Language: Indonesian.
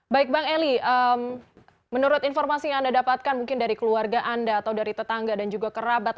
baik bang eli menurut informasi yang anda dapatkan mungkin dari keluarga anda atau dari tetangga dan juga kerabat